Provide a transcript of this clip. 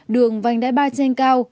đường vành đại ba trang cao